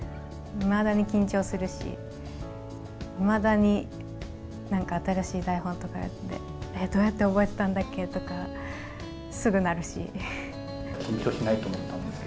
いまだに緊張するし、いまだになんか新しい台本とかってどうやって覚えてたんだっけッ緊張しないと思ったんですけ